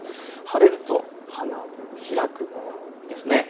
晴れると花は開くんです。